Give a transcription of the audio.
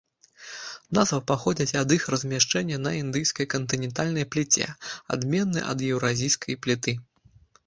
Назва паходзіць ад іх размяшчэння на індыйскай кантынентальнай пліце, адменны ад еўразійскай пліты.